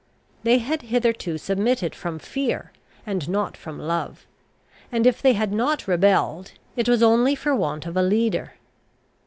They had hitherto submitted from fear, and not from love; and, if they had not rebelled, it was only for want of a leader.